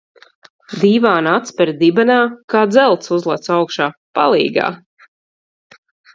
Dīvāna atspere dibenā, kā dzelts uzlecu augšā. Palīgā!